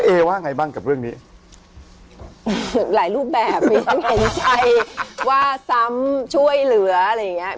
เอว่าไงบ้างกับเรื่องนี้หลายรูปแบบมีความเห็นใจว่าซ้ำช่วยเหลืออะไรอย่างเงี้ย